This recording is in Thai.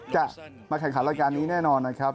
จะมาแข่งขันรายการนี้แน่นอนนะครับ